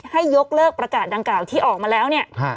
ให้ยกเลิกประกาศดังกล่าวที่ออกมาแล้วเนี่ย